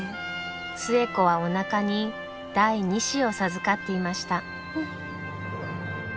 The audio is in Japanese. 寿恵子はおなかに第２子を授かっていました。